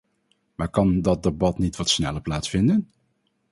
Maar kan dat debat niet wat sneller plaatsvinden?